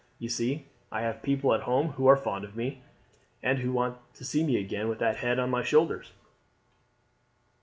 You see I have people at home who are fond of me, and who want to see me back again with that head on my shoulders."